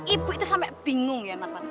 ibu itu sampe bingung ya mata